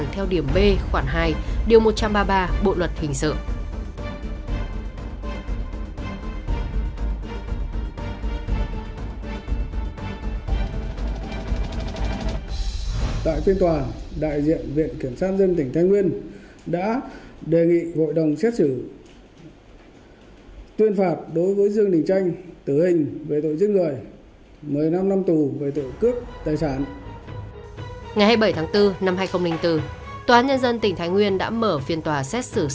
theo điểm a khoảng một điều chín mươi ba bộ luật hình sự và tội cướp tài sản theo điểm b khoảng hai điều một trăm ba mươi ba bộ luật hình sự